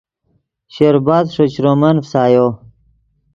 شربَت ݰے چرومن فسایو